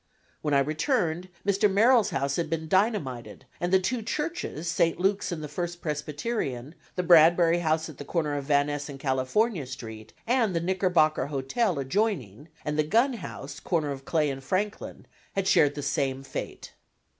When I returned, Mr. Merrill's house had been dynamited, and the two churches, St. Luke's and the First Presbyterian, the Bradbury house at the corner of Van Ness and California Street, and the Knickerbocker Hotel adjoining, and the Gunn house, corner of Clay and Franklin, had shared the same fate.